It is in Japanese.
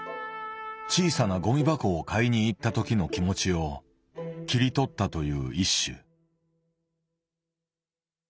小さなゴミ箱を買いに行った時の気持ちを切り取ったという一首。